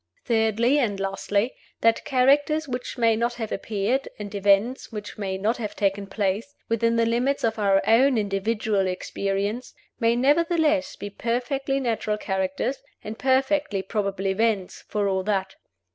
(Thirdly and Lastly): That Characters which may not have appeared, and Events which may not have taken place, within the limits of our own individual experience, may nevertheless be perfectly natural Characters and perfectly probable Events, for all that.